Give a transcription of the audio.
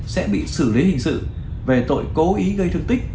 sẽ bị xử lý hình sự về tội cố ý gây thương tích